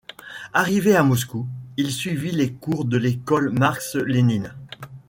Arrivé à Moscou, il suivit les cours de l'Ecole Marx-Lénine.